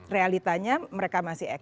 realitanya mereka masih eksis